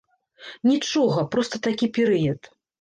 Нічога, проста такі перыяд.